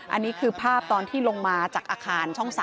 อันนี้คือภาพตอนที่ลงมาจากอาคารช่อง๓